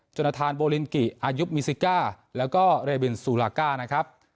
จนทานโบลินกิอายุมิซิก้าแล้วก็เรบินซูลาก้านะครับ